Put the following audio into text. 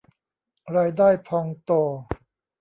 รายได้พองโต